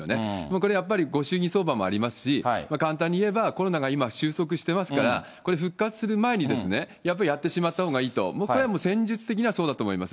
これやっぱり、ご祝儀相場もありますし、簡単に言えば、コロナが今、収束してますから、これ、復活する前にやっぱりやってしまったほうがいいと、これは戦術的にはそうだと思います。